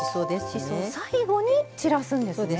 しそ最後に散らすんですね。